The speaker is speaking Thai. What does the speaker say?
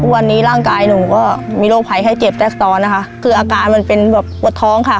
วันนี้ร่างกายหนูก็มีโรคภัยไข้เจ็บแทรกซ้อนนะคะคืออาการมันเป็นแบบปวดท้องค่ะ